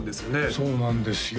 そうなんですよ